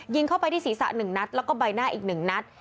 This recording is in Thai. เข้าไปที่ศีรษะ๑นัดแล้วก็ใบหน้าอีก๑นัด